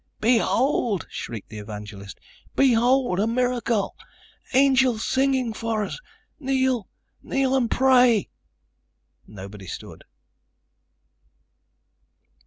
"Behold!" shrieked the evangelist. "Behold, a miracle! Angels singing for us! Kneel! Kneel and pray!" Nobody stood.